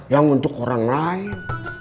yang untuk orang lain